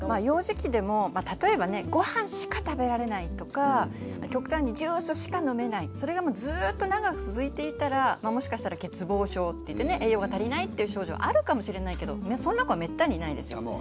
幼児期でも例えばねご飯しか食べられないとか極端にジュースしか飲めないそれがもうずっと長く続いていたらもしかしたら欠乏症っていってね栄養が足りないっていう症状あるかもしれないけどそんな子はめったにいないですよ。